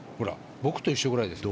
僕と同じぐらいですよ。